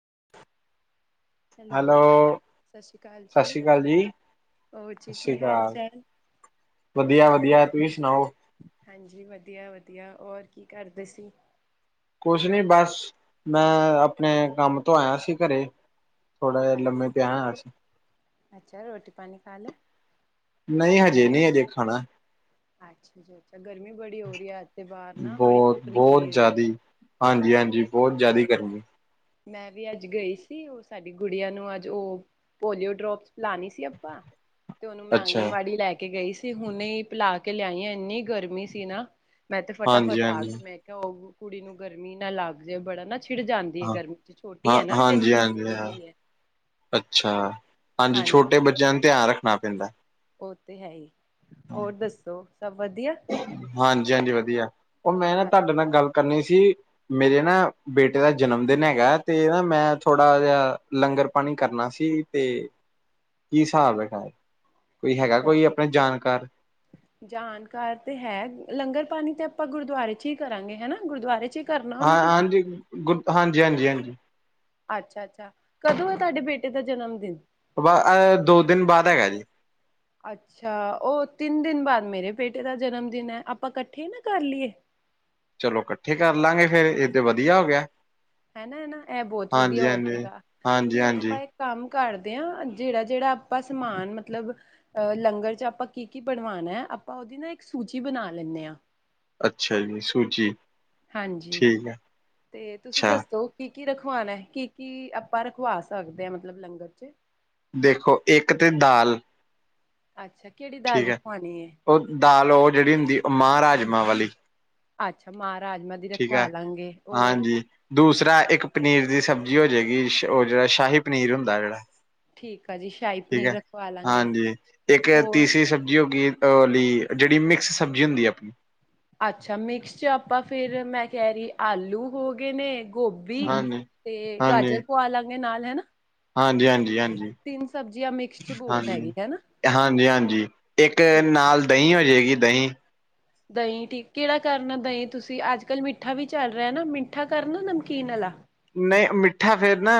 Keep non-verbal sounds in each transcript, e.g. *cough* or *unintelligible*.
*unintelligible* Hello ਸਤਿ ਸ਼੍ਰੀ ਅਕਾਲ ਸਤਿ ਜੀ, ਸ੍ਰੀ ਅਕਾਲ ਜੀ। ਹੋਰ ਜੀ ਸ਼੍ਰੀ ਕੀ ਹਾਲ ਅਕਾਲ, ਚਾਲ। ਵਧੀਆ ਵਧੀਆ ਤੁਸੀਂ ਸੁਣਾਓ। ਹਾਂਜੀ ਵਧੀਆ ਵਧੀਆ ਹੋਰ ਕੀ ਕਰਦੇ ਸੀ। ਕੁਛ ਨੀ ਬਸ ਮੈਂ ਆਪਣੇ ਕੰਮ ਤੋਂ ਆਇਆ ਸੀ ਘਰੇ। ਥੋੜਾ ਜਿਹਾ ਲੰਮੇ ਪਿਆ ਹੋਇਆ ਸੀਂ। ਅੱਛਾ ਰੋਟੀ ਪਾਣੀ ਖਾ ਲੈ। ਨਹੀਂ ਹਜੇ ਨਹੀਂ ਹਜੇ ਖਾਣਾ। ਅੱਛਾ ਜੀ। ਗਰਮੀ ਬੜੀ ਹੋ ਰਹੀ ਹੈਥੇ ਬਾਹਰ ਨਾ ਬੜੀ ਬਹੁਤ ਧੁੱਪ ਨਿਕਲੀ ਹੋਈ। ਹਾਂਜੀ ਹਾਂਜੀ ਬਹੁਤ ਜ਼ਿਆਦੀ ਗਰਮੀ। ਮੈਂ ਵੀ ਅੱਜ ਗਈ ਸੀ ਉਹ ਸਾਡੀ ਗੁੜੀਆਂ ਨੂੰ ਅੱਜ ਉਹ ਪੋਲੀਓ ਡ੍ਰੋਪ। ਲਾਣੀ ਸੀ ਆਪਾਂ ਤੇ ਉਹਨੂੰ ਮੈਂ ਅੱਛਾ ਆਂਗਣਵਾੜੀ ਲੈ ਕੇ ਗਈ ਸੀ। ਹੁਣੇ ਪਿਲਾ ਕੇ ਲਿਆਈ ਆ ਇੰਨੀ ਗਰਮੀ ਸੀ ਨਾ ਮੈਂ ਤੇ ਹਾਂਜੀ ਫਟਾਫਟ ਆ ਗੀ ਹਾਂਜੀ ਮੈਂ ਕਿਹਾ ਹੋ। ਕੁੜੀ ਨੂੰ ਗਰਮੀ ਨਾ ਲੱਗ ਜਾਏ ਬੜਾ ਨਾ ਛਿੜ ਜਾਂਦੀ ਹੈ। ਹਾਂ ਗਰਮੀ ਚ ਛੋਟੀ ਹਾਂ ਹੈ ਨਾ ਅਜੇ ਹਾਂਜੀ ਤਿੰਨ ਹਾਂਜੀ ਮਹੀਨੇ ਦੀ ਹੈ। ਅੱਛਾ। ਪੰਜ ਛੋਟੇ ਹਾਂਜੀ ਬੱਚਿਆਂ ਨੂੰ ਧਿਆਨ ਰੱਖਣਾ ਪੈਂਦਾ। ਉਹ ਤੇ ਹੈ ਹੀ ਹੋਰ ਦੱਸੋ ਸਭ। ਵਧੀਆ ਹਾਂਜੀ ਹਾਂਜੀ ਵਧੀਆ ਉਹ ਮੈਂ ਨਾ ਤੁਹਾਡੇ ਨਾਲ ਗੱਲ ਕਰਨੀ ਸੀ ਮੇਰੇ ਨਾ ਬੇਟੇ ਦਾ ਜਨਮ ਦਿਨ ਹੈਗਾ ਤੇ ਨਾ ਮੈਂ ਥੋੜਾ ਜਹਾ ਲੰਗਰ ਲੰਗਰ ਪਾਣੀ ਕਰਨਾ ਸੀ ਤੇ ਕੀ ਹਿਸਾਬ ਹੈਗਾ। ਕੋਈ ਹੈਗਾ ਅੱਛਾ ਕੋਈ ਆਪਣੇ ਜਾਣਕਾਰ। ਜਾਣਕਾਰ ਤੇ ਹੈ ਲੰਗਰ ਪਾਣੀ ਤੇ ਆਪਾਂ ਗੁਰੂਦੁਆਰੇ ਚ ਹੀ ਕਰਾਂਗੇ ਹਨਾ ਗੁਰੂਦੁਆਰੇ ਚ ਕਰਨਾ ਹਾਂ ਉਹਨੂੰ ਤੁਸੀਂ ਹਾਂਜੀ, ਗੁ ਹਾਂਜੀ ਹਾਂਜੀ। ਅੱਛਾ ਅੱਛਾ ਕਦੋਂ ਹੈ ਤੁਹਾਡੇ ਬੇਟੇ ਦਾ, ਜਨਮ ਦਿਨ? ਦੋ ਦਿਨ, ਬਾਅਦ ਹੈਗਾ ਜੇ? ਅੱਛਾ, ਉਹ ਤਿੰਨ ਦਿਨ ਬਾਅਦ, ਮੇਰੇ ਬੇਟੇ ਦਾ ਜਨਮ ਦਿਨ ਹੈ, ਆਪਾਂ ਇਕੱਠੇ ਨਾ ਕਰ ਲਈਏ? ਚਲੋ ਇਕੱਠੇ ਕਰ ਲਾਂਗੇ ਫੇਰ ਇਹਏ ਤੇ ਵਧੀਆ ਹੋ ਗਿਆ। ਹਨਾ, ਨਾ ਇਹ ਬਹੁਤ ਵਧੀਆ ਹਾਂਜੀ ਹੋ ਹਾਂਜੀ ਜਵੇਗਾ, ਹਾਂਜੀ ਫਿਰ ਆਪਾਂ ਹਾਂਜੀ ਇੱਕ ਕੰਮ। ਕਰਦੇ ਹਾਂ, ਜਿਹੜਾ ਜਿਹੜਾ ਆਪਾਂ ਸਮਾਨ ਮਤਲਬ ਅਹ ਲੰਗਰ ਚ ਆਪਾਂ ਕੀ ਕੀ ਬਣਵਾਉਣਾ ਆਪਾਂ, ਉਹਦੀ ਨਾ, ਇੱਕ ਸੂਚੀ ਬਣਾ ਲੈਂਣੇ ਆਂ। ਅੱਛਾ ਜੀ, ਸੂਜੀ ਹਾਂਜੀ, ਠੀਕ ਹੈ ਤੇ ਤੁਸੀਂ ਅੱਛਾ ਦੱਸੋ ਕੀ ਕੀ ਰਖਵਾਣਾ, ਕੀ ਕੀ ਆਪਾਂ ਰਖਵਾ ਸਕਦੇ ਹਾਂ, ਮਤਲਬ ਲੰਗਰ ਚ ਦੇਖੋ, ਇੱਕ ਤੇ ਦਾਲ ਅੱਛਾ ਕਿਹੜੀ ਦਾਲ ਠੀਕ ਹੈ, ਰਖਵਾਣੀ ਹੈ ਉਹ ਦਾਲ ਉਹ ਜਿਹੜੀ ਹੁੰਦੀ, ਉਹ ਮਹ ਰਾਜਮਾਂ ਵਾਲੀ। ਅੱਛਾ ਮਾਂ ਰਾਜਮਾਂ ਦੀ ਠੀਕ ਰਖਵਾ ਆ, ਲਾਂਗੇ ਹੋਰ ਹਾਂਜੀ, ਦੂਸਰਾ ਇੱਕ ਪਨੀਰ ਦੀ ਸਬਜ਼ੀ। ਠੀਕ ਹੋ ਜਾਏਗੀ, ਉਹ ਜਿਹੜਾ ਸ਼ਾਹੀ ਪਨੀਰ, ਹੁੰਦਾ ਜਿਹੜਾ। ਠੀਕ ਆ ਜੀ, ਸ਼ਾਹੀ ਠੀਕ ਪਨੀਰ ਹੈ ਰਖਵਾ ਲਾਂਗੇ ਹਾਂਜੀ ਇੱਕ ਹੋ ਤੀਸਰੀ, ਸਬਜ਼ੀ ਹੋ ਗਈ, ਜਿਹੜੀ ਮਿਕਸ ਸਬਜ਼ੀ ਹੁੰਦੀ ਹੈ, ਆਪਣੀ ਅੱਛਾ, ਮਿਕਸ ਚ ਆਪਾਂ ਫਿਰ, ਮੈਂ ਕਹਿ ਰਹੀ ਆਲੂ ਹੋ ਗਏ ਨੇ। ਗੋਭੀ, ਹਾਂਜੀ ਤੇ ਗਾਜਰ, ਹਾਂਜੀ ਪੂਆ ਲਾਂਗੇ ਨਾਲ। ਹਾਂਜੀ, ਹਾਂਜੀ ਹਾਂਜੀ ਤਿੰਨ ਸਬਜ਼ੀਆਂ ਮਿਕਸ ਚ ਬਹੁਤ ਹਾਂਜੀ, ਹੈਗੀ ਹਨਾ ਹਾਜੀ ਹਾਂਜੀ। ਇੱਕ ਠੀਕ ਆ ਨਾਲ ਦਹੀਂ ਹੋ ਜਾਏਗੀ। ਦਹੀਂ ਦਹੀਂ ਠੀਕ, ਕਿਹੜਾ ਕਰਨਾ ਦਹੀਂ ਤੁਸੀਂ, ਅੱਜ ਕੱਲ ਮਿੱਠਾ ਵੀ ਚੱਲ ਰਿਹਾ ਨਾ ਮਿੱਠਾ ਕਰਨਾ ਨਮਕੀਨ ਵਾਲਾ। ਨਹੀਂ, ਮਿੱਠਾ ਫੇਰ ਨਾ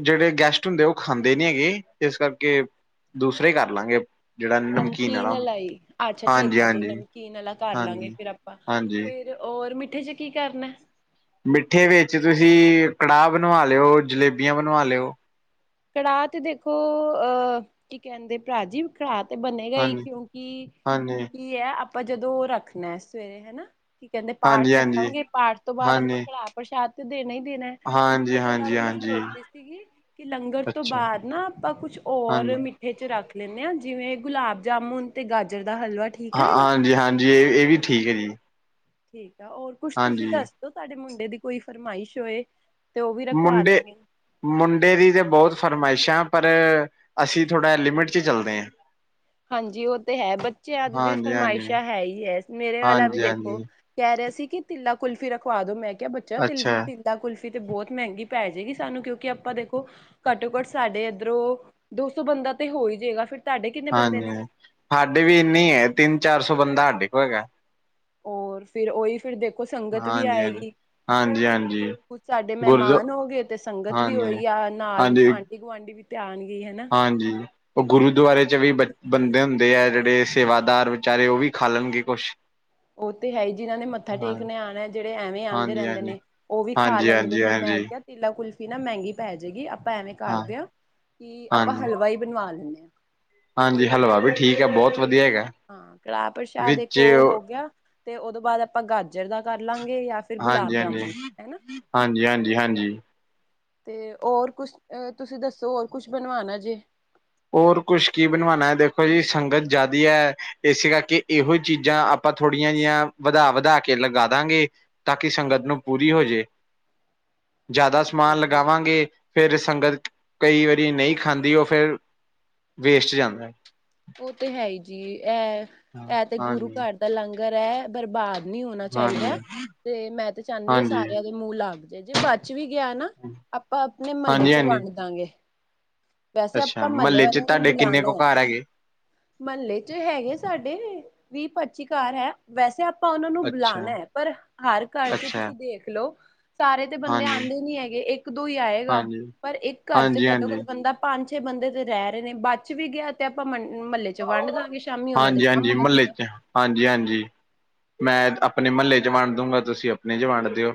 ਜਿਹੜੇ, ਗੈਸਟ ਹੁੰਦੇ ਉਹ ਖਾਂਦੇ ਨੀ ਹੈਗੇ, ਇਸ ਕਰਕੇ ਦੂਸਰੇ ਕਰ ਲਾਵਾਂਗੇ। ਨਮਕੀਨ ਵਾਲਾ ਈ, ਅੱਛਾ ਹਾਂਜੀ ਠੀਕ ਆ ਜੀ ਹਾਂਜੀ ਨਮਕੀਨ ਵਾਲਾ ਕਰ ਲਾਂਗੇ, ਹਾਂਜੀ ਫਿਰ ਆਪਾਂ ਹਾਂਜੀ ਫਿਰ ਰ ਮਿੱ ਇੱਦੇ, ਚ ਕੀ ਕਰਨਾ। ਮਿੱਠੇ ਵਿੱਚ ਤੁਸੀਂ, ਕੜਾਹ ਬਣਵਾ ਲਿਓ ਜਲੇਬੀਆਂ, ਬਣਵਾ ਲਿਓ। ਕੜਾਹ ਤੇ ਦੇਖੋ, ਕੀ ਕਹਿੰਦੇ ਭਰਾ ਜੀ, ਭਰਾ ਤੇ ਬਣੇਗਾ ਹੀ, ਹਾਂਜੀ, ਕਿਉਂਕਿ, ਹਾਂਜੀ, ਕਿ ਆਪਾਂ ਜਦੋਂ, ਰੱਖਣਾ ਹੈ ਸਵੇਰੇ ਹਨਾ ਕੀ ਕਹਿੰਦੇ ਹਾਂਜੀ, ਪਾਠ ਹਾਂਜੀ, ਰੱਖਾਂਗੇ, ਪਾਠ ਤੋਂ ਬਾਅਦ ਆਪਾਂ, ਹਾਂਜੀ, ਕੜਾਹ ਪ੍ਰਸ਼ਾਦ ਤੇ ਦੇਣਾ ਹੀ ਕਿ ਦੇਣਾ, ਹਾਂਜੀ, ਉਹ ਤੋਂ ਹਾਂਜੀ, ਇਲਾਵਾ ਮੈਂ ਹਾਂਜੀ। ਸੋਚਦੀ ਸੀਗੀ, ਕਿ ਲੰਗਰ, ਤੋਂ ਅੱਛਾ, ਬਾਅਦ ਨਾ ਆਪਾਂ ਕੁਛ ਹੋਰ, ਹਾਂਜੀ, ਮਿੱਠੇ ਚ ਰੱਖ ਲੈਂਦੇ ਹਾਂ, ਜਿਵੇਂ ਗੁਲਾਬ ਜਾਮੁਨ, ਤੇ ਗਾਜਰ ਦਾ ਹਲਵਾ ਠੀਕ ਹਾਂ, ਰਹੇਗਾ ਹਾਂਜੀ ਹਾਂਜੀ ਇਹ ਵੀ ਠੀਕ ਹੈ ਜੀ ਠੀਕ ਆ, ਹੋਰ ਕੁਛ ਤੁਸੀਂ ਹਾਂਜੀ, ਦੱਸ ਦੋ, ਸਾਡੇ ਮੁੰਡੇ ਦੀ ਕੋਈ ਫਰਮਾਇਸ਼ ਹੋਏ। ਤੇ ਉਹ ਵੀ ਰਖਵਾ ਮੁੰਡੇ, ਦਾਂਗੇ। ਮੁੰਡੇ ਦੀ ਤਾਂ ਬਹੁਤ ਫਰਮਾਇਸ਼ਾਂ। ਪਰ, ਅਸੀਂ ਥੋੜ੍ਹਾ ਲਿਮਿਟ, ਚ ਚੱਲਦੇ ਹਾਂ। ਹਾਂਜੀ, ਉਹ ਤੇ ਹੈ ਬੱਚਿਆਂ ਅੱਜ ਦੀ ਹਾਂਜੀ, ਹਾਂਜੀ, ਫਰਮਾਇਸ਼ਾਂ, ਹੈ ਹੀ ਹੈ, ਮੇਰੇ ਵਾਲਾ ਵੀ ਹਾਂਜੀ, ਦੇਖੋ, ਹਾਂਜੀ, ਕਹਿ ਰਿਹਾ ਸੀ ਇੱਕ ਤਿੱਲਾ ਕੁਲਫੀ, ਰਖਵਾ ਦੋ, ਮੈਂ ਕਿਹਾ ਬੱਚਇਆ ਲਈ ਅੱਛਾ, ਤਿੱਲਾ ਕੁਲਫੀ ਏ ਤੇ, ਬਹੁਤ ਮਹਿੰਗੀ ਪੈ ਜਾਏਗੀ ਸਾਨੂੰ, ਕਿਉਂਕਿ ਆਪਾਂ ਦੇਖੋ ਘੱਟੋ ਘੱਟ, ਸਾਡੇ ਇੱਧਰੋਂ, ਦੋ ਸੌ ਬੰਦਾ ਏਦਾਂ, ਤੇ ਹੋ ਜਾਏਗਾ, ਫਿਰ ਤਾਹਾਡੇ ਕਿੰਨੇ ਬੰਦੇ ਨੇ ਸਾਡੇ ਵੀ ਇੰਨੀ ਹੈ, ਤਿੰਨ ਚਾਰ ਸੌ ਬੰਦਾ ਸਾਡੇ ਕੋਲ, ਹੈਗਾ ਹੋਰ, ਫਿਰ ਓਹੀ ਦੇਖੋ, ਸੰਗਤ ਵੀ ਆਏਗੀ। ਹਾਂਜੀ--ਹਾਂਜੀ ਕੁਝ, ਸਾਡੇ ਮਹਿਮਾਨ ਹੋ ਗਏ, ਤੇ ਸੰਗਤ ਵੀ ਹਾਂਜੀ, ਹੋਈ ਆ, ਨਾਲ ਹਾਂਜੀ ਆਂਢੀ ਗੁਆਂਢੀ ਵੀ ਤੇ ਆਣਗੇ ਹਨਾ। ਹਾਂਜੀ, ਉਹ ਗੁਰੂਦੁਆਰੇ, ਚ ਵੀ ਬ ਬੰਦੇ ਹੁੰਦੇ ਆ, ਜਿਹੜੇ ਸੇਵਾਦਾਰ ਵਿਚਾਰੇ, ਉਹ ਵੀ ਖਾ ਲੈਣਗੇ ਕੁਛ। ਉਹ ਤੇ ਹੈ ਜਿਨਾਂ ਨੇ ਮੱਥਾ ਹਾਂ ਟੇਕਣੇ ਆਉਣਾ ਜਿਹੜੇ ਐਵੇਂ ਆਂਦੇ ਹਾਂਜੀ ਰਹਿੰਦੇ ਹਾਂਜੀ ਨੇ, ਉਹ ਵੀ ਖਾ ਹਾਂਜੀ ਲੈਣਗੇ ਹਾਂਜੀ ਤੇ ਮ ਮੈਂ ਹਾਂਜੀ ਕਿਆ ਤੀਲਾ ਕੁਲ ਨਾ ਮਹਿੰਗੀ ਪੈ ਜਾਏਗੀ ਆਪਾਂ ਐਵੇਂ ਕਰਦੇ ਹਾਂ, ਕਿ ਆਪਾਂ ਹਾਂਜੀ ਹਲਵਾ ਹੀ ਬਣਵਾ ਲੈਂਦੇ ਹਾਂ। ਹਾਂਜੀ ਹਲਵਾ ਵੀ ਠੀਕ ਹੈ ਬਹੁਤ। ਵਧੀਆ ਹੈਗਾ ਹਾਂ ਕੜਾਹ ਪ੍ਰਸ਼ਾਦ ਇੱਕ ਵਿੱਚ ਉਹ ਹੋ ਗਿਆ, ਤੇ ਉਹਦੋਂ ਬਾਅਦ ਆਪਾਂ ਗਾਜਰ ਦਾ ਕਰ ਲਾਂਗੇ। ਜਾਂ ਫਿਰ ਹਾਂਜੀ ਗੁਲਾਬ ਹਾਂਜੀ ਜਾਮੁਨ, ਹਨਾ। ਹਾਂਜੀ ਹਾਂਜੀ ਹਾਂਜੀ ਤੇ ਹੋਰ ਕੁਛ, ਤੁਸੀਂ ਦੱਸੋ ਹੋਰ ਕੁਛ ਬਣਵਾਣਾ ਜੇ। ਹੋਰ ਕੁਛ ਕੀ ਬਣਵਾਉਣਾ ਹੈ ਦੇਖੋ ਜੀ ਸੰਗਤ ਜ਼ਿਆਦੀ ਹੈ, ਇਸੇ ਕਰਕੇ ਇਹੋ ਚੀਜ਼ਾਂ ਆਪਾਂ ਥੋੜ੍ਹੀਆਂ ਜਿਹੀਆਂ ਵਧਾ ਵਧਾ ਕੇ ਲਗਾ ਦਾਂਗੇ, ਤਾਂ ਕਿ ਸੰਗਤ ਨੂੰ ਪੂਰੀ ਹੋਜੇ। *inaudible* ਜ਼ਿਆਦਾ ਸਮਾਨ ਹਾਂਜੀ ਲਗਾਵਾਂਗੇ, ਫਿਰ ਸੰਗਤ ਕਈ ਵਾਰੀ ਨਹੀਂ ਖਾਂਦੀ ਉਹ ਫਿਰ ਵੇਸਟ ਜਾਂਦਾ ਹੈ। ਉਹ ਤੇ ਹੈ ਹੀ ਜੀ ਇਹ, ਹਾਂ, ਇਹ ਤੇ ਗੁਰੂ ਹਾਂਜੀ, ਘਰ ਦਾ ਲੰਗਰ ਹੈ ਬਰਬਾਦ ਨਹੀਂ ਹੋਣਾ ਹਾਂਜੀ, ਚਾਹੀਦਾ, ਤੇ ਮੈਂ ਤਾਂ ਚਾਹੁੰਦੀ ਆ ਹਾਂਜੀ। ਸਾਰਿਆਂ ਦੇ ਮੂੰਹ ਲੱਗ ਜਾਏ ਜੇ ਬਚ ਵੀ ਗਿਆ ਨਾ, ਆਪਾਂ ਆਪਣੇ ਮਹੱਲੇ ਹਾਂਜੀ, ਚ ਹਾਂਜੀ ਵੰਡ ਦਾਂਗੇ। ਵੈਸੇ ਅੱਛਾ ਆਪਾਂ ਮਹੱਲੇ ਚ ਵਾਲਿਆਂ ਨੂੰ ਤੁਹਾਡੇ ਕਿੰਨੇ ਬੁਲਾਉਣਾ ਕੁ ਹੈ। ਘਰ ਹੈਗੇ? ਮਹੱਲੇ ਚ ਹੈਗੇ ਸਾਡੇ, ਵੀਹ ਪੱਚੀ ਕਾਰ ਹੈ ਵੈਸੇ ਆਪਾਂ ਉਹਨਾਂ ਨੂੰ ਅੱਛਾ, ਬੁਲਾਉਣਾ ਹੈ, ਪਰ ਹਰ ਘਰ ਚ ਅੱਛਾ ਤੁਸੀਂ ਦੇਖ ਲਓ ਸਾਰੇ ਤੇ ਬੰਦੇ ਹਾਂਜੀ, ਆਉਂਦੇ ਨੀ ਹੈਗੇ। ਇੱਕ ਦੋ ਹੀ ਆਏਗਾ, ਹਾਂਜੀ, ਪਰ ਇੱਕ ਘਰ ਚ ਹਾਂਜੀ, ਘੱਟੋ ਹਾਂਜੀ। ਘੱਟ ਬੰਦਾ ਪੰਜ ਇੱਥੇ ਬੰਦੇ ਤੇ ਰਹਿ ਰਹੇ ਨੇ ਬਚ ਵੀ ਗਿਆ ਤੇ ਆਪਾਂ ਮੰ ਮਹੱਲੇ ਚ ਵੰਡ ਦਾਂਗੇ ਸ਼ਾਮੀ ਉਹਨਾਂ ਦੇ ਹਾਂਜੀ, ਕੰਮ ਹਾਂਜੀ ਆਜੇ ਮਹੱਲੇ ਗਾ। ਚ ਹਾਂਜੀ, ਹਾਂਜੀ ਮੈਂ ਆਪਣੇ ਮਹੱਲੇ ਚ ਵੰਡ ਦੂੰਗਾ ਤੁਸੀਂ ਆਪਣੇ ਚ ਵੰਡ ਦੇ ਹੋ।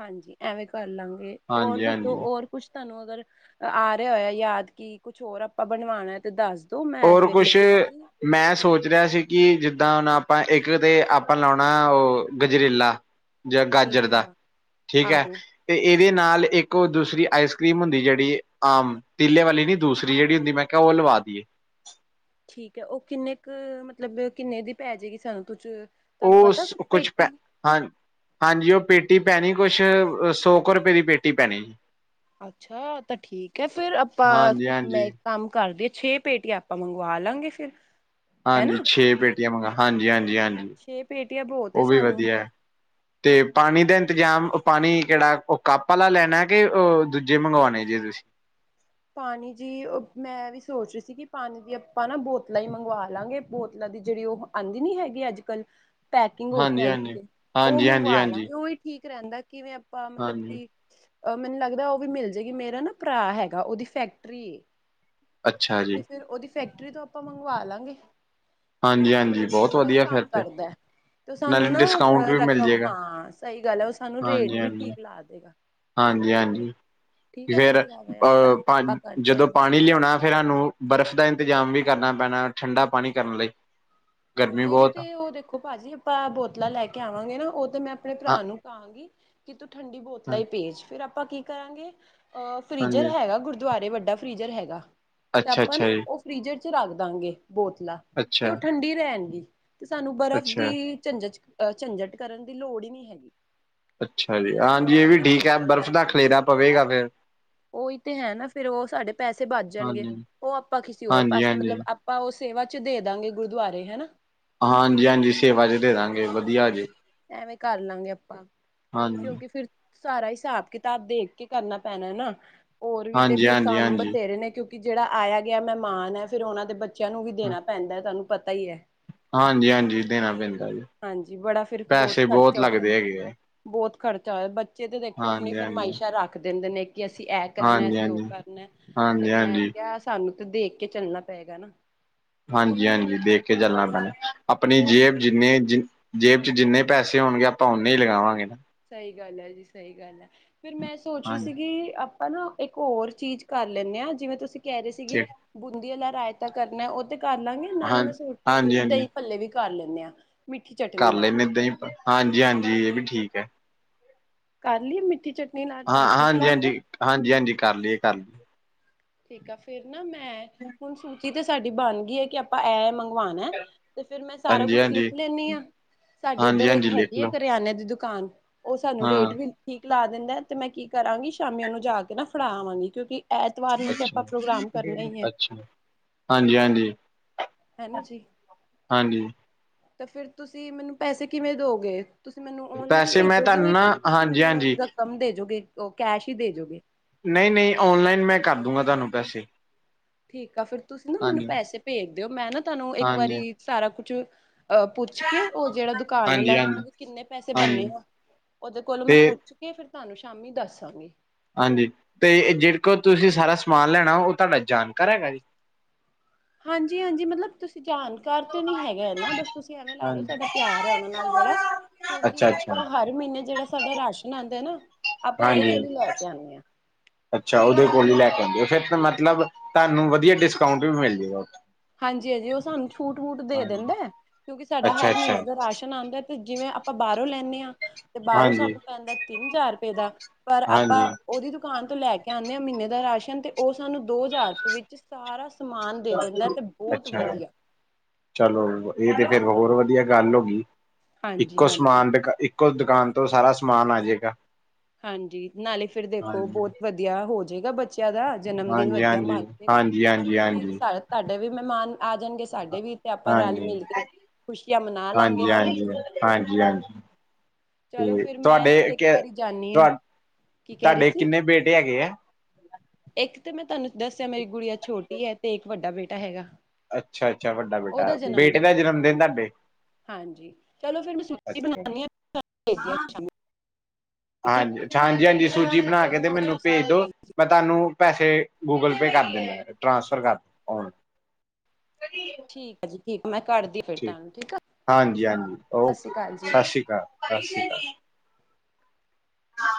ਹਾਂਜੀ, ਐਵੇਂ ਕਰ ਲਾਂਗੇ, ਹੋਰ ਹਾਂਜੀ, ਦੱਸੋ ਹਾਂਜੀ ਹੋਰ ਕੁਛ। ਤੁਹਾਨੂੰ ਅਗਰ, ਆ ਰਿਹਾ ਹੋਇਆ ਯਾਦ ਕਿ ਕੁਛ ਹੋਰ ਆਪਾਂ ਬਣਵਾਉਣਾ ਤੇ ਦੱਸ ਦੋ ਮੈਂ ਹੋਰ ਫਿਰ ਲਿਖ ਕੁਛ, ਲਾਂਗੀ ਮੈਂ ਸੋਚ ਰਿਹਾ ਸੀ ਕਿ ਜਿੱਦ ਦਾਂ ਹੁਣ ਆਪਾਂ ਇੱਕ ਤੇ ਆਪਾਂ ਲਾਉਣਾ ਉਹ ਗਜਰੇਲਾ ਜਾਂ ਗਾਜਰ ਠੀਕ ਦਾ, ਆ ਠੀਕ ਹੈ ਆਹੋ ਤੇ ਇਹ ਇਹਦੇ ਨਾਲ ਇੱਕ ਉਹ ਦੂਸਰੀ ਆਈਸ ਕਰ੍ਰੀਮ ਹੁੰਦੀ ਜਿਹੜੀ ਆਮ ਤੀਲੇ ਵਾਲੀ ਨੀ ਦੂਸਰੀ ਜਿਹੜੀ ਹੁੰਦੀ ਮੈਂ ਕਿਹਾ ਦਵਾ ਦੀਏ ਠੀਕ ਹੈ ਉਹ ਕਿੰਨੇ ਕੁ ਮਤਲਬ ਕਿੰਨੇ ਦੀ ਪੈ ਜਾਏਗੀ ਸਾਨੂੰ ਕੁਝ ਉਹ ਕੁਛ ਪੈ ਹਾਂ ਹਾਂਜੀ ਉਹ ਪੇਟੀ ਪੈਣੀ ਕੁਛ ਸੌ ਕੁ ਰੁਪਏ ਦੀ ਪੇਟੀ ਪੈਣੀ ਅੱਛਾ ਤਾਂ ਠੀਕ ਹੈ ਫੇਰ ਆਪਾਂ ਹਾਂਜੀ ਮੈਂ ਹਾਂਜੀ ਇੱਕ ਕੰਮ ਕਰਦੇ ਛੇ ਪੇਟੀਆਂ ਆਪਾਂ ਮੰਗਵਾ ਲਾਂਗੇ ਫਿਰ ਹਨਾ ਹਾਂਜੀ ਛੇ ਪੇਟੀਆਂ ਮੰ ਹਾਂਜੀ-ਹਾਂਜੀ ਹਾਂਜੀ ਛੇ ਪੇਟੀਆਂ ਬਹੁਤ ਹੈ ਉਹ ਵੀ ਸਾਨੂੰ ਵਧੀਆ ਤੇ ਪਾਣੀ ਦੇ ਜਾਂ ਪਾਣੀ ਕਿਹੜਾ ਉਹ ਕੱਪ ਵਾਲਾ ਲੈਣਾ ਕਿ ਉਹ ਦੂਜੇ ਮੰਗਵਾਉਣੇ ਜੇ ਤੁਸੀਂ ਪਾਣੀ ਜੀ ਮੈਂ ਵੀ ਸੋਚ ਰਹੀ ਸੀ ਕਿ ਪਾਣੀ ਵੀ ਆਪਾਂ ਨਾ ਬੋਤਲਾਂ ਹੀ ਮੰਗਵਾ ਲਾਂਗੇ ਬੋਤਲਾਂ ਦੀ ਜਿਹੜੀ ਉਹ ਆਉਂਦੀ ਨੀ ਹੈਗੀ ਅੱਜ ਕੱਲ੍ਹ ਪੈਕਿੰਗ ਹੋਕੇ ਹਾਂਜੀ ਹਾਂਜੀ ਆਦੀ ਉਹ ਹਾਂਜੀ ਹਾਂਜੀ ਮੰਗਵਾ ਹਾਂਜੀ ਲਾਗੇ ਉਹਹੀ ਠੀਕ ਰਹਿੰਦਾ ਕਿਵੇਂ ਆਪਾਂ ਮਤਲਬ ਹਾਂਜੀ ਕਿ ਅ ਮੈਨੂੰ ਲੱਗਦਾ ਉਹ ਵੀ ਮਿਲ ਜਾਏਗੀ ਮੇਰਾ ਨਾ ਭਰਾ ਹੈਗਾ ਉਹਦੀ ਫੈਕਟਰੀ ਅੱਛਾ ਜੀ। ਤੇ ਫਿਰ ਉਹਦੀ ਫੈਕਟਰੀ ਤੋਂ ਆਪਾਂ ਮੰਗਵਾ ਲਾਂਗੇ ਹਾਂਜੀ-ਹਾਂਜੀ ਬਹੁਤ ਉਹ ਇਹੀ ਵਧੀਆ ਫਿਰ ਕੰਮ ਤੇ ਕਰਦਾ ਹੈ। ਤੇ ਨਾਲੇ ਸਾਨੂੰ ਨਾ ਡਿਸਕਾਊਂਟ ਵੀ ਮਿਲ ਰਕਮ ਜਾਏਗਾ ਹਾਂ ਸਹੀ ਗੱਲ ਹੈ ਉਹ ਸਾਨੂੰ ਰੇਟ ਵੀ ਠੀਕ ਲਾ ਦੇਗਾ ਹਾਂਜੀ-ਹਾਂਜੀ ਠੀਕ ਹੈ ਤਾਂ ਫੇਰ ਫਿਰ ਆਵੇਂ ਆਪਾਂ ਆਪਾਂ ਕਰਦੇ ਜਦੋਂ ਹਾਂ। ਪਾਣੀ ਲਿਆਉਣਾ ਫਿਰ ਸਾਨੂੰ ਬਰਫ਼ ਦਾ ਇੰਤਜ਼ਾਮ ਵੀ ਕਰਨਾ ਪੈਣਾ ਠੰਡਾ ਪਾਣੀ ਕਰਨ ਲਈ ਗਰਮੀ ਜਿਹੜੀ ਬਹੁਤ ਆ ਤੇ ਉਹ ਦੇਖੋ ਭਾਜੀ ਆਪਾਂ ਬੋਤਲਾਂ ਲੈ ਕੇ ਆਵਾਂਗੇ ਨਾ ਉਹ ਤੇ ਮੈਂ ਆਪਣੇ ਹਾਂ ਭਰਾ ਨੂੰ ਕਾਂਗੀ ਕਿ ਤੂੰ ਠੰਡੀ ਬੋਤਲਾਂ ਹਾਂ ਹੀ ਭੇਜ ਫਿਰ ਆਪਾਂ ਕੀ ਕਰਾਂਗੇ ਅ ਫ੍ਰਿਜਰ ਹਾਂਜੀ ਹੈਗਾ ਗੁਰਦੁਆਰੇ ਵੱਡੇ ਡਾ ਫਰੀਜਰ ਹੈਗਾ ਤੇ ਅੱਛਾ ਆਪਾਂ ਅੱਛਾ ਨਾ ਜੀ ਉਹ ਫੀਜਰ ਚ ਰੱਖ ਦਾਂਗੇ ਬੋਤਲਾਂ ਤੇ ਉਹ ਅੱਛਾ ਠੰਡੀ ਤੇ ਸਾਨੂੰ ਬਰਫ਼ ਅੱਛਾ ਦੀ ਝੰਜਟਹ ਝੰਜਟ ਕਰਨ ਦੀ ਲੋੜ ਹੀ ਨਹੀ ਹੈਗੀ ਅੱਛਾ ਜੀ ਹਾਂਜੀ ਇਹ ਵੀ ਸਾਡੇ ਠੀਕ ਹੈ ਬਰਫ਼ ਦਾ ਖਲੇਰਾ ਪਵੇਗਾ ਫੇਰ ਉਹੀ ਤੇ ਹੈ ਨਾ ਫੇਿਰ ਉਹ ਸਾਡੇ ਪੈਸੇ ਬਚ ਜਾਣਗੇ ਹਾਂਜੀ ਉਹ ਆਪਾਂ ਕਿਸੇ ਹੋਰ ਹਾਂਜੀ ਪਾਸੇ ਹਾਂਜੀ ਮਤਲਬ ਆਪਾਂ ਉਸ ਸੇਵਾ ਚ ਦੇ ਦਾਂਗੇ ਗੁਰਦੁਆਰੇ ਹਨਾ ਹਾਂਜੀ-ਹਾਂਜੀ ਸੇਵਾ ਚ ਦੇ ਦਾਂਗੇ ਵਧੀਆ ਜੀ ਵੇਂ ਕਰ ਲਾਂਗੇ ਆਪਾਂ ਹਾਂਜੀ ਕਿਉਂਕਿ ਫੇਰ ਸਾਰਾ ਹਿਸਾਬ ਕਿਤਾਬ ਦੇਖ ਕੇ ਕਰਨਾ ਪੈਣਾ ਨਾ ਹੋਰ ਵੀ ਤੇ ਹਾਂਜੀ ਫਿਰ ਹਾਂਜੀ ਕੰਮ ਹਾਂਜੀ ਬਥੇਰੇ ਨੇ ਕਿਉਂਕਿ ਕਿ ਜਿਹੜਾ ਆਇਆ ਗਿਆ ਮਹਿਮਾਨ ਹੈ ਫੇਰ ਉਹਨਾਂ ਦੇ ਬੱਚਿਆਂ ਨੂੰ ਵੀ ਦੇਣਾ ਪੈਂਦਾ ਤੁਹਾਨੂੰ ਪਤਾ ਹੀ ਹੈ ਹਾਂਜੀ-ਹਾਂਜੀ ਦੇਣਾ ਪੈਂਦਾ ਜੀ ਹਾਂਜੀ ਬੜਾ ਫਿਰ ਬਹੁਤ ਪੈਸੇ ਖ਼ਰਚਾ ਹੋ ਲੱਗਦੇ ਜਾਂਦਾ ਹੈਗੇ ਆ ਬਹੁਤ ਖਰਚਾ ਹੋਇਆ ਬੱਚੇ ਤੇ ਦੇਖੋ ਆਪਣੀ ਹਾਂਜੀ ਹਾਂਜੀ ਫਰਮਾਇਸ਼ਾਂ ਰੱਖ ਦਿੰਦੇ ਨੇ ਕਿ ਅਸੀਂ ਇਹ ਕਰਨਾ ਹਾਂਜੀ ਹਾਂਜੀ ਅਸੀਂ ਉਹ ਕਰਨਾ ਤੇ ਹਾਂਜੀ ਮੈਂ ਹਾਂਜੀ ਕਿਹਾ ਸਾਨੂੰ ਦੇਖ ਕੇ ਚੱਲਣਾ ਪਏਗਾ ਨਾ ਹਾਂਜੀ ਹਾਂਜੀ ਦੇਖ ਕੇ ਹਨਾ ਚੱਲਣਾ ਜੀ ਪੈਣਾ ਆਪਣੀ ਤੇ ਜੇਬ ਜਿੰਨੇ ਜਿ ਜੇਬ ਚਚ ਜਿੰਨੇ ਪੈਸੇ ਹੋਣਗੇ ਆਪਾਂ ਨੇ ਹੀ ਲਗਾਵਾਂਗੇ ਨਾ ਸਹੀ ਗੱਲ ਹੈ ਜੀ ਸਹੀ ਗੱਲ ਹੈ ਫਿਰ ਮੈਂ ਸੋਚ ਰਹੀ ਹਾਂਜੀ ਸੀਗੀ ਹਨਾ ਇੱਕ ਹੋਰ ਚੀਜ਼ ਕਰ ਲੈਂਦੇ ਹਾਂ ਜਿਵੇਂ ਤੁਸੀਂ ਕਹਿ ਰਹੇ ਸੀਗੇ ਬੂੰਦੀਆਂ ਲੈ ਰਏਤਾ ਕਰਨਾ ਉਹ ਤੇ ਕਰ ਲਾਂਗੇ ਹਾਂ ਨਾਲੇ ਮੈਂ ਸੋਚ ਰਹੀ ਸੀ ਹਾਂਜੀ ਕਿ ਹਾਂਜੀ ਦਹੀਂ ਪੱਲੇ ਵੀ ਕਰ ਲੈਂਦੇ ਹਾਂ ਮਿੱਠੀ ਚਟਨੀ ਕਰ ਲਏ ਨਾਲ ਮ ਏਦਾਂ ਹੀ ਹਾਂਜੀ ਹਾਂਜੀ ਇਹ ਵੀ ਠੀਕ ਹੈ ਕਰ ਲਈਏ ਮਿੱਠੀ ਚਟਨੀ ਨਾਲ ਤੁਹਾਨੂੰ ਹਾਂ ਠੀਕ ਹਾਂਜੀ ਲੱਗਦਾ ਹਾਂਜੀ ਹਾਂਜੀ ਹਾਂਜੀ ਕਰ ਲਈਏ ਕਰ ਲਈਏ ਠੀਕ ਆ ਫੇਰ ਨਾ ਮੈਂ ਹੁਣ ਸੂਚੀ ਤੇ ਸਾਡੀ ਬਣ ਗਈ ਹੈ ਕਿ ਆਪਾਂ ਐ ਮੰ ਭਵਾਨ ਹੈ ਤੇ ਫਿਰ ਮੈਂ ਸਾਰਾ ਹਾਂਜੀ ਕੁਛ ਲਿਖ ਹਾਂਜੀ ਲੈਂਦੀ ਹਾਂ ਸਾਡੇ ਇੱਧਰ ਹਾਂਜੀ ਇੱਕ ਹਾਂਜੀ ਲਿਖ ਹੈਗੀ ਆ ਲਓ ਕਰਿਆਨੇ ਦੀ ਦੁ ਦੁਕਾਨ ਉਹ ਸਾਨੂੰ ਰੇਟ ਹਾਂ ਵੀ ਲਾ ਦਿੰਦਾ ਤੇ ਮੈਂ ਕੀ ਕਰਾਂਗੀ ਸ਼ਾਮੀ ਉਹਨੂੰ ਜਾ ਕੇ ਨਾ ਫੜਾ ਆਵਾਂਗੀ ਕਿਉਂਕਿ ਐਤਵਾਰ ਨੂੰ ਤੇ ਆਪਾਂ ਪ੍ਰੋਗਰਾਮ ਕਰਨਾ ਹੀ ਹੈ ਅਛਾ ਹਾਂਜੀ ਹਾਂਜੀ ਹਨਾ ਜੀ ਹਾਂਜੀ ਤੇ ਫਿਰ ਤੁਸੀਂ ਮੈਨੂੰ ਪੈਸੇ ਕਿਵੇਂ ਦੋਗੇ ਤੁਸੀਂ ਮੈਨੂੰ ਓਨਲਾਈਨ ਪੈਸੇ ਮੈਂ ਤੁਹਾਨੂੰ ਭੇਜੋਗੇ ਨਾ ਕਿ ਤੁਸੀਂ ਹਾਂਜੀ ਮੈਨੂੰ ਹਾਂਜੀ ਰਕਮ ਦੇਜੋਗੇ ਕੈਸ਼ ਹੀ ਦੇਜੋਗੇ ਨਹੀਂ ਨਹੀਂ ਔਨਲਾਈਨ ਮੈਂ ਕਰ ਦੂੰਗਾ ਤੁਹਾਨੂੰ ਪੈਸੇ ਠੀਕ ਆ ਫਿਰ ਤੁਸੀਂ ਨਾ ਮੈਨੂੰ ਹਾਂਜੀ ਪੈਸੇ ਭੇਜ ਦਿਓ ਮੈਂ ਨਾ ਤੁਹਾਨੂੰ ਇੱਕ ਹਾਂਜੀ ਵਾਰੀ ਸਾਰਾ ਕੁਛ ਅਹ ਪੁੱਛ ਕੇ ਉਹ ਜਿਹੜਾ ਦੁਕਾਨ ਆ ਲੈ ਹਾਂਜੀ ਹਾਂਜੀ ਕਿੰਨੇ ਪੈਸੇ ਬੰਨੇ ਹਾਂਜੀ ਆ ਉਹਦੇ ਕੋਲੋਂ ਮੈਂ ਤੇ ਪੁੱਛ ਕੇ ਫਿਰ ਤੁਹਾਨੂੰ ਸ਼ਾਮੀ ਦੱਸਾਂਗੀ ਹਾਂਜੀ ਤੇ ਜਿਹੜ ਕੋ ਤੁਸੀਂ ਸਾਰਾ ਸਮਾਨ ਲੈਣਾ ਉਹ ਤੁਹਾਡਾ ਜਾਣਕਾਰ ਹੈਗਾ ਜੀ ਹਾਂਜੀ ਹਾਂਜੀ ਮਤਲਬ ਤੁਸੀਂ ਜਾਣ ਘਰ ਤੇ ਨੀ ਹੈਗਾ ਨਾ ਬਸ ਤੁਸੀਂ ਐਵੇਂ ਲਾ ਲਓ ਹਾਂਜੀ ਸਾਡਾ ਪਿਆਰ ਹੈ ਉਹਨਾਂ ਨਾਲ ਬੜਾ ਅੱਛਾ ਕਿਉਂਕਿ ਅੱਛਾ ਆਪਾਂ ਹਰ ਮਹੀਨੇ ਜਿਹੜਾ ਸਾਡਾ ਰਾਸ਼ਨ ਆਉਂਦਾ ਨਾ ਆਪਾਂ ਦੋਂ ਕੋਲ ਹਾਂਜੀ ਹੀ ਲੈ ਕੇ ਆਉਦੇ ਹਾਂ ਅੱਛਾ ਉਹਦੇ ਕੋਲ ਹੀ ਲੈ ਕੇ ਆਉਂਦੇ ਹੋ ਫਿਰ ਤਾਂ ਮਤਲਬ ਤੁਹਾਨੂੰ ਵਧੀਆ ਡਿਸਕਾਊਂਟ ਵੀ ਮਿਲ ਜਾਏਗਾਥ ਹਾਂਜੀ ਹਾਂਜੀ ਉਹ ਸਾਨੂੰ ਛੂਟ ਵੂਟ ਦੇ ਦਿੰਦਾ ਕਿਉਂਕਿ ਸਾਡਾ ਅੱਛਾ ਹਰ ਅੱਛਾ ਮਹੀਨੇ ਦਾ ਰਾਸ਼ਨ ਆਉਂਦਾ ਅਤੇ ਜਿਵੇਂ ਆਪਾਂ ਬਾਹਰੋਂ ਲੈਂਦੇ ਹਾਂ ਤੇ ਬਾਹਰੋਂ ਹਾਂਜੀ ਸਾਨੂੰ ਪੈਂਦਾ ਤਿੰਨ ਹਜ਼ਾਰ ਰੁਪਏ ਦਾ ਪਰ ਆਪਾਂ ਹਾਂਜੀ ਉਹਦੀ ਦੁਕਾਨ ਤੋਂ ਲੈ ਕੇ ਆਉਂਦੇ ਹਾਂ ਮਹੀਨੇ ਦਾ ਰਾਸ਼ਨ ਤੇ ਉਹ ਸਾਨੂੰ ਦੋ ਹਜ਼ਾਰ ਰੁਪਏ ਵਿੱਚ ਸਾਰਾ ਸਮਾਨ ਦੇ ਦਿੰਦਾ ਬਹੁਤ ਅੱਛਾ ਵਧੀਆ ਚਲੋ ਇਹ ਤੇ ਫੇਿਰ ਹਾਂਜੀ ਹੋਰ ਵਧੀਆ ਗੱਲ ਹੋ ਗਈ ਹਾਂਜੀ ਇੱਕੋ ਹਾਂਜੀ ਸਮਾਨ ਦੁ ਇੱਕੋ ਦੁਕਾਨ ਤੋਂ ਸਾਰਾ ਸਮਾਨ ਆ ਜਾਏਗਾ ਹਾਂਜੀ ਨਾਲੇ ਫਿਰ ਦੇਖੋ ਹਾਂਜੀ ਬਹੁਤ ਵਧੀਆ ਹੋ ਜਾਏਗਾ ਬੱਚੇ ਦਾ ਜਨਮ ਦਿਨ ਹਾਂਜੀ ਵਧੀਆ ਹਾਂਜੀ ਮਨਏਗਾ ਹਾਂਜੀ ਹਾਂਜੀ ਤੁਸੀਂ ਹਾਂਜੀ ਸਾ ਤੁਹਾਡੇ ਵੀ ਮਹਿਮਾਨ ਆ ਜਾਣਗੇ ਸਾਡੇ ਦੇ ਵੀ ਤੇ ਆਪਾਂ ਰਲ ਹਾਂਜੀ ਮਿਲ ਕੇ ਖੁਸ਼ੀਆਂ ਮਨਾ ਲਾਂਗੇ ਹਾਂਜੀ ਹਾਂਜੀ ਹਨਾ ਜੀ ਹਾਂਜੀ ਹਾਂਜੀ ਚਲੋ ਤੇ ਫਿਰ ਮੈਂ ਨਾ ਤੁਹਾਡੇ ਇੱਕ ਕੇ ਵਾਰੀ ਜਾਂਦੀ ਹਾਂ ਤੁਹਾ ਕੀ ਕਹਿ ਰਹੀ ਤੁਹਾਡੇ ਸੀ ਕਿੰਨੇ ਬੇਟੇ ਹੈਗੇ ਆ ਇੱਕ ਤੇ ਮੈਂ ਤੁਹਾਨੂੰ ਦੱਸਿਆ ਮੇਰੀ ਗੁੜੀਆ ਛੋਟੀ ਹੈ ਤੇ ਇੱਕ ਵੱਡਾ ਬੇਟਾ ਹੈਗਾ। ਅੱਛਾ ਅੱਛਾ ਵੱਡਾ ਉਹਦਾ ਬੇਟਾ ਜਨਮ ਬੇਟੇ ਦਾ ਹੈ ਜਨਮ ਦਿਨ ਤੁਹਾਡੇ। ਹਾਂਜੀ ਚਲੋ ਫੇਰ ਮੈਂ ਸੁ ਬਣਾਉਣੀ ਹਾਂ। ਆਂ। ਠੀਕ ਹਾਂਜੀ ਹਾਂਜੀ ਹਾਂਜੀ ਸੂਜੀ ਬਣਾ ਕੇ ਤੇ ਮੈਨੂੰ ਸਤਿ ਭੇਜ ਸ਼੍ਰੀ ਦੋ ਅਕਾਲ ਜੀ ਮੈਂ ਤੁਹਾਨੂੰ ਪੈਸੇ। ਗੂਗਲ ਪੇ ਕਰ ਦਿੰਦਾ ਟ੍ਰਾਂਸਫਰ ਕਰ। ਠੀਕ ਆ ਜੀ ਠੀਕ ਆ ਮੈਂ। ਕਰਦੀ ਫਿਰ ਠੀ ਤੁਹਾਨੂੰ ਠੀਕ ਆ ਹਾਂਜੀ ਹਾਂਜੀ ਸਤਿ ਸ਼੍ਰੀ ਓਕੇ ਅਕਾਲ ਜੀ ਸਤਿ ਸ਼੍ਰੀ ਅਕਾਲ ਸਤਿ ਸ਼੍ਰੀ ਅਕਾਲ। ਹਾਂ।